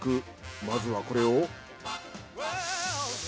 まずはこれを。